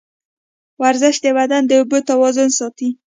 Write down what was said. ورزش د بدن د اوبو توازن ساتي.